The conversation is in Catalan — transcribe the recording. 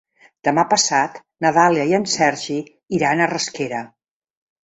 Demà passat na Dàlia i en Sergi iran a Rasquera.